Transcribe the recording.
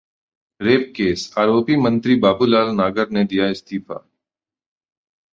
rape case: आरोपी मंत्री बाबूलाल नागर ने दिया इस्तीफा